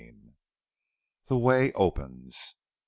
THE WAY OPENS.